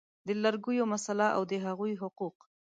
د لږکیو مسله او د هغوی حقوق